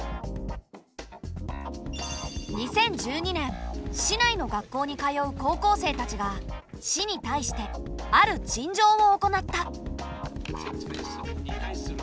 ２０１２年市内の学校に通う高校生たちが市に対してある陳情を行った。